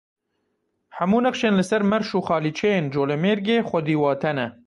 Hemû neqşên li ser merş û xalîçeyên Colemêrgê xwedî wate ne.